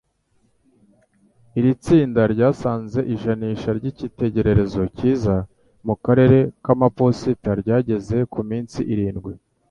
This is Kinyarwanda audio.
Iri tsinda ryasanze ijanisha ry’icyitegererezo cyiza mu karere k’amaposita ryageze ku minsi irindwi